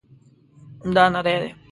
دا نری دی